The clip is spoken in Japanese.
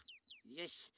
よし。